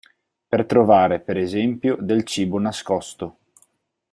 Per trovare per esempio del cibo nascosto.